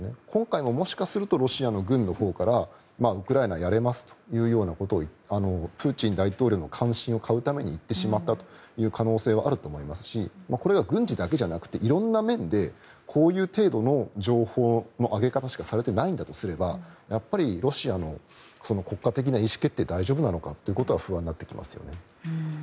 今回も、もしかするとロシア軍のほうからウクライナやれますということをプーチン大統領の歓心を買うために言ってしまったという可能性はあると思いますしこれが軍事だけじゃなくていろんな面で、こういう程度の情報の上げ方しかされていないんだとすればロシアの国家的な意思決定は大丈夫なのかと不安になってきますよね。